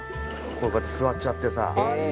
ここに座っちゃってさ。